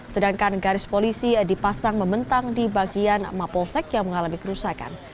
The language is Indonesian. sedangkan garis polisi dipasang membentang di bagian mapolsek yang mengalami kerusakan